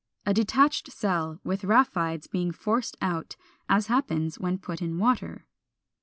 A detached cell, with rhaphides being forced out, as happens when put in water.